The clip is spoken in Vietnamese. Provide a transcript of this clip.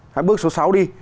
hay bước số sáu đi